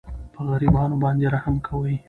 په غریبانو باندې رحم کوئ.